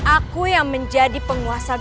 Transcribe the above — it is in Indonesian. aku yang menjadi penguasa